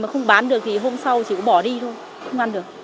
hôm sau chỉ có bỏ đi thôi không ăn được